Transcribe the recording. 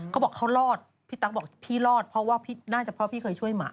เขาบอกเขารอดพี่ตั๊กบอกพี่รอดเพราะว่าน่าจะเพราะพี่เคยช่วยหมา